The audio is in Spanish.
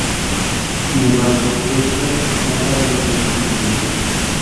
Sin embargo, esto no parece haber sucedido.